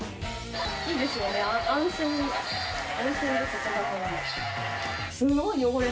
いいですよね安心です。